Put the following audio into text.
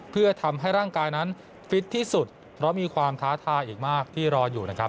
เพื่อทำให้ร่างกายนั้นฟิตที่สุดเพราะมีความท้าทายอีกมากที่รออยู่นะครับ